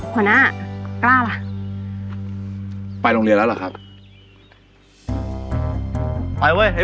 แบบนี้ก็ได้